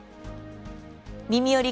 「みみより！